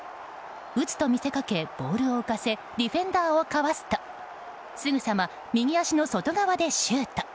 打つと見せかけボールを浮かせディフェンダーをかわすとすぐさま右足の外側でシュート。